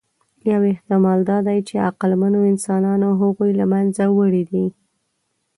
یو احتمال دا دی، چې عقلمنو انسانانو هغوی له منځه وړي دي.